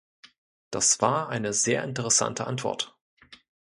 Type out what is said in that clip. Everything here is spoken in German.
Das war eine sehr interessante Antwort.